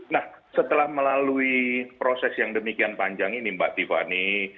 nah setelah melalui proses yang demikian panjang ini mbak tiffany